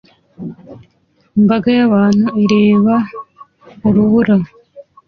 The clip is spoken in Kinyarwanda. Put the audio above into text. Imbaga y'abantu ireba urubura